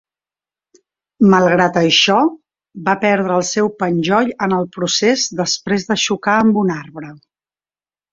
Malgrat això, va perdre el seu penjoll en el procés després de xocar amb un arbre.